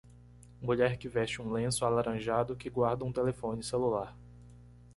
Mulher que veste um lenço alaranjado que guarda um telefone celular.